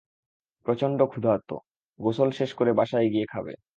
প্রচণ্ড ক্ষুধার্ত, গোসল শেষ করে বাসায় গিয়ে খাবে।